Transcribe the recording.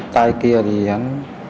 tay kia thì hắn